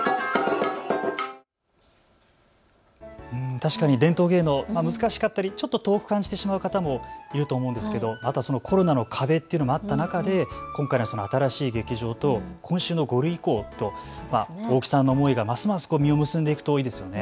確かに伝統芸能、難しかったりちょっと遠く感じてしまう方もいると思うんですけどまたコロナの壁というのもあった中で今回の新しい劇場と今週の５類移行と大木さんの思いがますます実を結んでいくといいですよね。